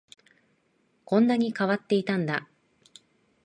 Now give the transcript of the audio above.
こんなに変わっていたんだ